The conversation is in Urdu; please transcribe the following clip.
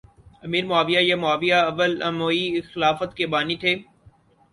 امیر معاویہ یا معاویہ اول اموی خلافت کے بانی تھے